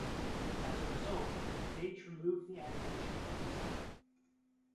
As a result, Veitch removed the animation from the site.